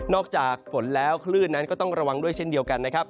จากฝนแล้วคลื่นนั้นก็ต้องระวังด้วยเช่นเดียวกันนะครับ